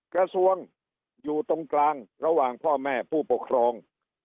กระทรวงอยู่ตรงกลางระหว่างพ่อแม่ผู้ปกครอง